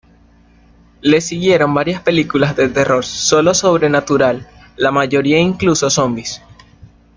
Le siguieron varias películas de terror y lo sobrenatural, la mayoría incluían zombis.